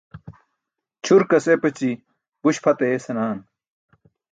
Ćʰurkas epaći buś pʰat aye senaaan.